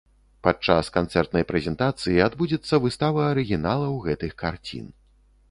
Падчас канцэртнай прэзентацыі адбудзецца выстава арыгіналаў гэтых карцін.